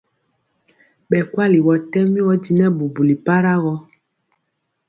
Bɛ kuali wɔɔ tɛmi ɔdinɛ bubuli para gɔ.